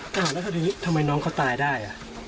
แล้วทีนี้ทำไมน้องเขาตายได้